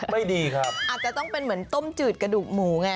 ไม่ดีครับอาจจะต้องเป็นเหมือนต้มจืดกระดูกหมูไง